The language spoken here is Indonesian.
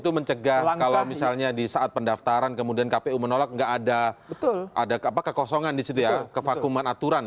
itu mencegah kalau misalnya di saat pendaftaran kemudian kpu menolak nggak ada kekosongan di situ ya kevakuman aturan